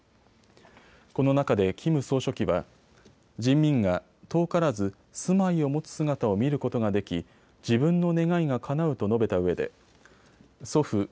この中でキム総書記は人民が遠からず住まいを持つ姿を見ることができ自分の願いがかなうと述べたうえで祖父